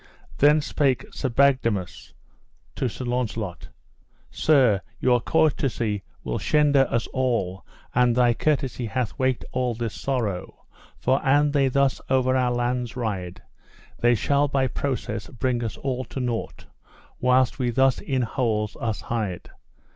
Then spake King Bagdemagus to Sir Launcelot: Sir, your courtesy will shende us all, and thy courtesy hath waked all this sorrow; for an they thus over our lands ride, they shall by process bring us all to nought whilst we thus in holes us hide.